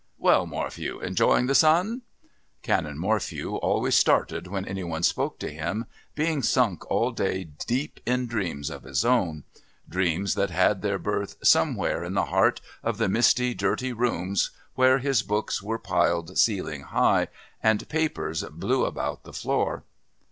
"Well, Morphew, enjoying the sun?" Canon Morphew always started when any one spoke to him, being sunk all day deep in dreams of his own, dreams that had their birth somewhere in the heart of the misty dirty rooms where his books were piled ceiling high and papers blew about the floor.